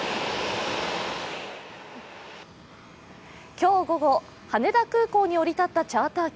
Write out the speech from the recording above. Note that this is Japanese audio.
今日午後、羽田空港に降り立ったチャーター機。